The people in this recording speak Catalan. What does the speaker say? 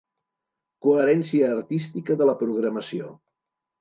Coherència artística de la programació.